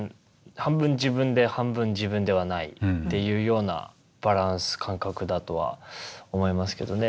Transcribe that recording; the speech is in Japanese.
半分自分で半分自分ではないっていうようなバランス感覚だとは思いますけどね。